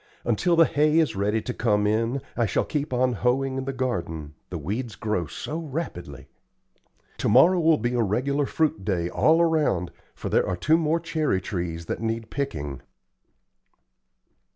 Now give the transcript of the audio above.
Until the hay is ready to come in, I shall keep on hoeing in the garden, the weeds grow so rapidly. Tomorrow will be a regular fruit day all around, for there are two more cherry trees that need picking."